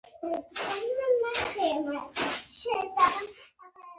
مالګه خوراکي، درملیز او کیمیاوي ارزښت لري.